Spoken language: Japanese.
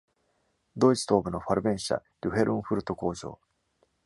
ドイツ東部のファルベン社デュヘルンフルト工場。